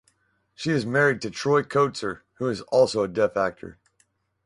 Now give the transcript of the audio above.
She is married to Troy Kotsur, who is also a deaf actor.